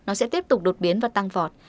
nó sẽ tiếp tục đột biến và tăng vọt